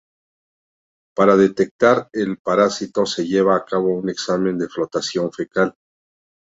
Para detectar el parásito, se lleva a cabo un examen de flotación fecal.